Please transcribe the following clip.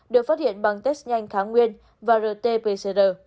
được phát hiện bằng test nhanh kháng nguyên và rt pcr